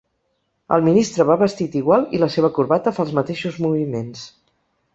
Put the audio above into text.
El ministre va vestit igual i la seva corbata fa els mateixos moviments.